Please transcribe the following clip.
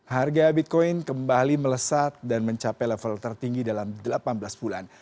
harga bitcoin kembali melesat dan mencapai level tertinggi dalam delapan belas bulan